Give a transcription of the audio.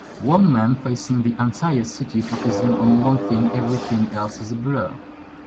One man facing the entire city focusing on one thing everything else is a blur